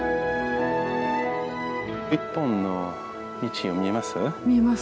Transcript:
一本の道を見えます？